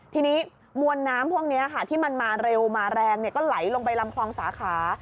ทีนี้มวลน้ำพวกนี้ค่ะที่มันมาเร็วมาแรงก็ไหลลงไปลำคลองสาขา